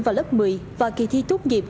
vào lớp một mươi và kỳ thi tốt nghiệp